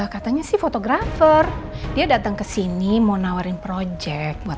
katanya sih fotografer dia datang ke sini mau nawarin project buat